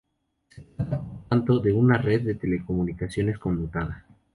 Se trata por tanto, de una red de telecomunicaciones conmutada.